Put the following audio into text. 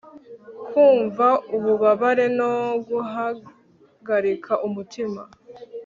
Kwumva ububabare no guhagarika umutima